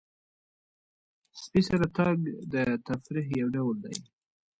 سپي سره تګ د تفریح یو ډول دی.